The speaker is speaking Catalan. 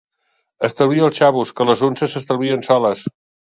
Estalvia els xavos, que les unces s'estalvien soles.